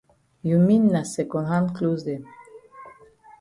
You mean na second hand closs dem.